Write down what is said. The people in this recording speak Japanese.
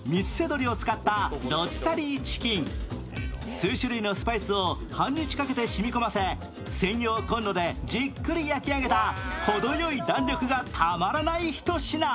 数種類のスパイスを半日かけて染み込ませ、専用コンロでじっくり焼き上げたほどよい弾力がたまらない一品。